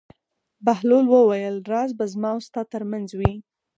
بهلول وویل: راز به زما او ستا تر منځ وي.